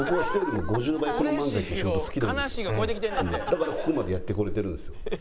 だからここまでやってこれてるんですよ。